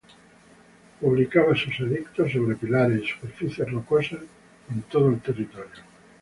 Publicaba sus edictos sobre pilares y superficies rocosas en todo el territorio.